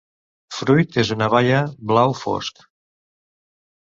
Fruit és una baia blau fosc.